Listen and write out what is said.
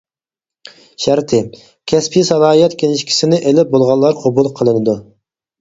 شەرتى: كەسپىي سالاھىيەت كىنىشكىسىنى ئېلىپ بولغانلار قوبۇل قىلىنىدۇ.